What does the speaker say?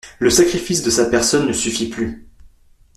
Le sacrifice de sa personne ne suffit plus.